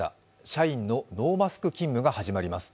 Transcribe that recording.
社員のノーマスク勤務が始まります。